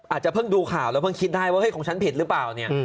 อาจจะเพิ่งดูข่าวแล้วเพิ่งคิดได้ว่าเฮ้ยของฉันผิดหรือเปล่าเนี่ย